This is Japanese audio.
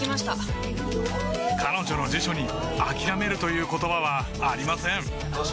彼女の辞書にあきらめるという言葉はありません